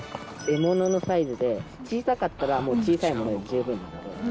獲物のサイズで小さかったら小さいもので十分なので。